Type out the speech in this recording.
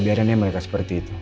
biarkan ya mereka seperti itu